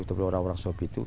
itu adalah orang orang sopi itu